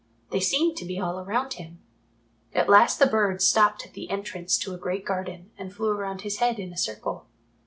They seemed to be all around him. At last the birds stopped at the entrance to a great garden, and flew around his head in a circle.